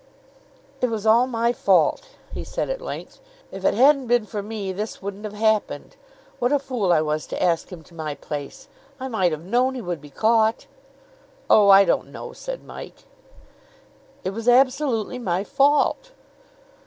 "It was all my fault," he said at length. "If it hadn't been for me, this wouldn't have happened. What a fool I was to ask him to my place! I might have known he would be caught." "Oh, I don't know," said Mike. "It was absolutely my fault."